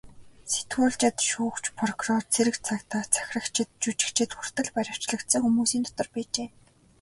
Сэтгүүлчид, шүүгч, прокурор, цэрэг цагдаа, захирагчид, жүжигчид хүртэл баривчлагдсан хүмүүсийн дотор байжээ.